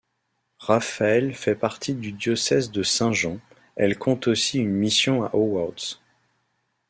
Raphael's fait partie du diocèse de Saint-Jean; elle compte aussi une mission à Howard.